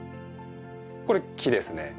これ木ですね。